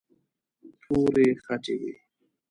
تورې خټې وې.